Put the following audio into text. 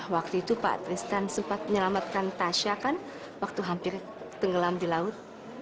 waktu itu pak tristan sempat menyelamatkan tasya kan waktu hampir tenggelam di laut